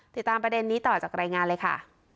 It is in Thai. ติดตามประเด็นนี้ต่อจากรายงานเลยค่ะ